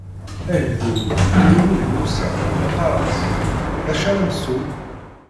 Agdud ittlummu di Musa, iqqar-as: D acu ara nsew?